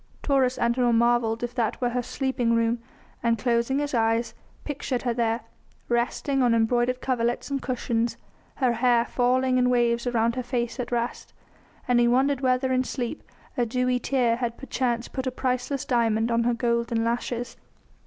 Taurus Antinor marvelled if that were her sleeping room and, closing his eyes, pictured her there, resting on embroidered coverlets and cushions, her fair hair falling in waves around her face at rest; and he wondered whether in sleep a dewy tear had perchance put a priceless diamond on her golden lashes.